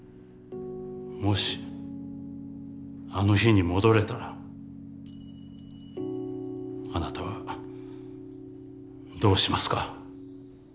もしあの日に戻れたらあなたはどうしますか？